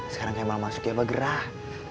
sekarang kemal masuk ya abah gerah